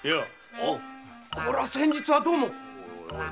こりゃ先日はどうも。